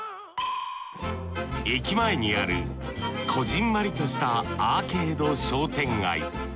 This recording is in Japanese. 駅前にあるこぢんまりとしたアーケード商店街。